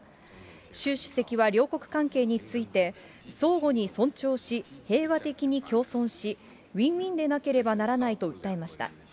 習主席は両国関係について、相互に尊重し、平和的に共存し、ウィンウィンでなければならないと訴えました。